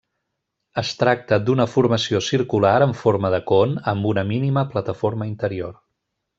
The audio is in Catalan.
Es tracta d'una formació circular amb forma de con, amb una mínima plataforma interior.